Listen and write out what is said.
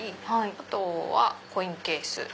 あとはコインケース。